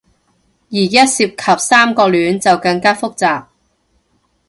而一涉及三角戀，就更加複雜